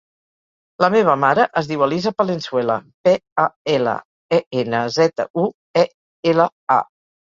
La meva mare es diu Elisa Palenzuela: pe, a, ela, e, ena, zeta, u, e, ela, a.